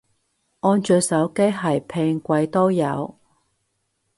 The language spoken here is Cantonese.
安卓手機係平貴都有